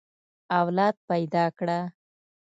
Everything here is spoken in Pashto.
اولاد پيدا کړه.